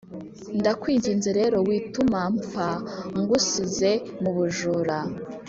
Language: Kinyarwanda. ndawkinginze rero wituma mfa ngusize mubujura…….